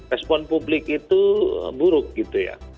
respon publik itu buruk gitu ya